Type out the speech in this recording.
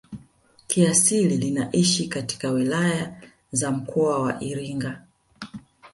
Kiasili linaishi katika wilaya za mkoa wa Iringa